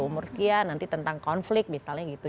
umur sekian nanti tentang konflik misalnya gitu